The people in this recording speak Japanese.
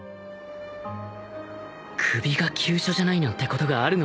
首が急所じゃないなんてことがあるのか？